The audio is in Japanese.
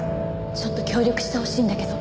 ちょっと協力してほしいんだけど。